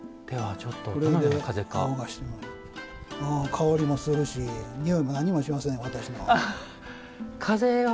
香りもするし、においもなんにもしません、私のは。